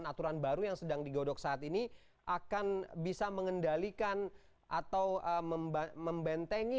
aturan baru yang sedang digodok saat ini akan bisa mengendalikan atau membentengi